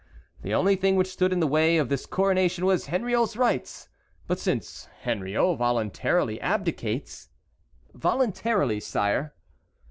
The only thing which stood in the way of this coronation was Henriot's rights; but since Henriot voluntarily abdicates"— "Voluntarily, sire."